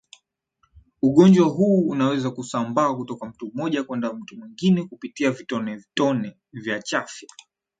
Ugonjwa huu unaweza kusambaa kutoka mtu mmoja kwenda mtu mwingine kupitia vitonetone vya chafya